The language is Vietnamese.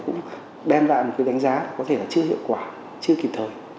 cũng đem lại một cái đánh giá có thể là chưa hiệu quả chưa kịp thời